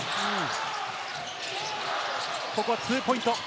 ここはツーポイント！